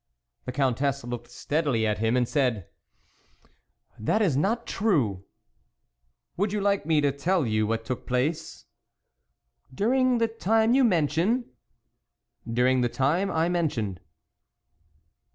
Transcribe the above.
The Countess looked steadily at him and said :" That is not true." " Would you like me to tell you what took place ?"" During the time you mention ?"" During the time I mention."